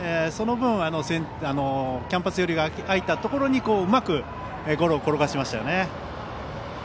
その分、キャンバス寄りが空いたところにうまくゴロを転がしましたね。